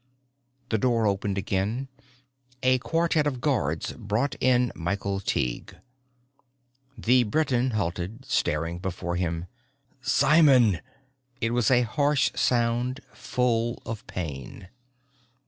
The door opened again. A quartet of guards brought in Michael Tighe. The Briton halted, staring before him. "Simon!" It was a harsh sound, full of pain.